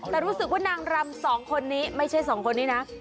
แต่รู้สึกว่านางรำสองคนนี้ไม่ใช่สองคนนี้นะ